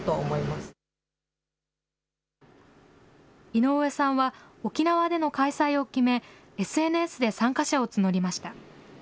井上さんは沖縄での開催を決め、ＳＮＳで参加者を募りました。